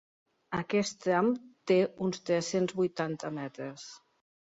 Aquest tram té uns tres-cents vuitanta metres.